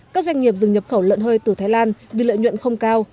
các doanh nghiệp dừng nhập khẩu lợn hơi từ thái lan vì lợi nhuận không cao